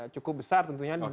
cukup besar tentunya